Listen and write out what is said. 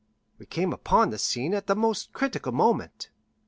We came upon the scene at the most critical moment.